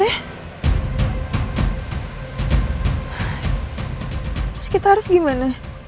terus kita harus gimana